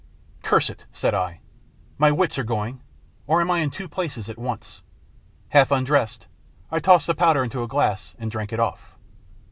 " Curse it !" said I ;" my wits are going, or am I in two places at once?" Half undressed, I tossed the powder into a glass and drank it off.